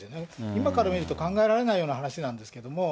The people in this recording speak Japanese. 今から見ると、考えられないような話なんですけれども。